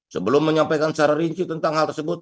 sebelum menyampaikan secara rinci tentang hal tersebut